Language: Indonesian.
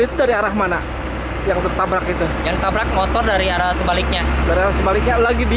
itu dari arah mana yang tertabrak itu yang tabrak motor dari arah sebaliknya beras baliknya lagi